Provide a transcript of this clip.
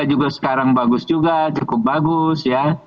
juga sekarang bagus juga cukup bagus ya